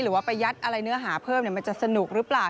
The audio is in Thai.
หรือว่าไปยัดอะไรเนื้อหาเพิ่มมันจะสนุกหรือเปล่า